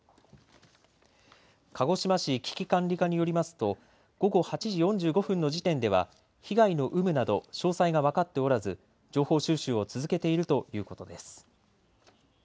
鹿児島市危機管理課によりますと午後８時４５分の時点では被害の有無など詳細が分かっておらず情報収集を続けているということです。